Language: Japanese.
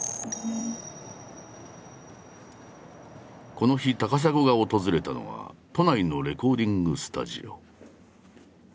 この日高砂が訪れたのは都内のレコーディングスタジオ。